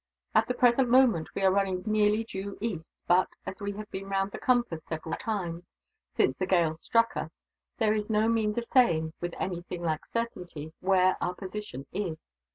"At the present moment, we are running nearly due east but, as we have been round the compass, several times, since the gale struck us, there is no means of saying, with anything like certainty, where our position is.